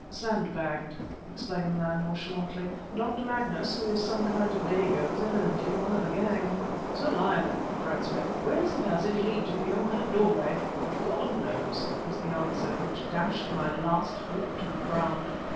"Sandbagged!" explained the man nonchalantly. "Dr. Magnus, who is some kind of dago, is evidently one of the gang." "Sir Lionel!" cried Smith "where does the passage lead to beyond that doorway? "God knows!" was the answer, which dashed my last hope to the ground.